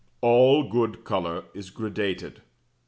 ALL GOOD COLOUR IS GRADATED.